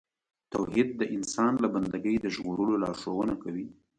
توحید د انسان له بندګۍ د ژغورلو لارښوونه کوي.